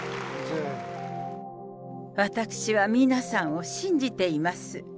私は皆さんを信じています。